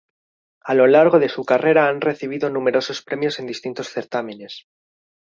A lo largo de su carrera han recibido numerosos premios en distintos certámenes.